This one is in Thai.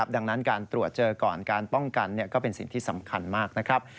ดังนั้นการตรวจเจอก่อนการป้องกันก็เป็นสิ่งที่สำคัญมากนะครับ